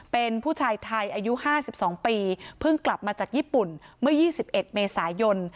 เป็นผู้ชายไทยอายุ๕๒ปีเพิ่งกลับมาจากญี่ปุ่นเมื่อ๒๑เมษายน